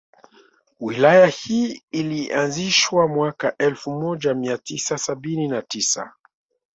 Wilaya hii ilianzishwa mwaka elfu moja mia tisa sabini na tisa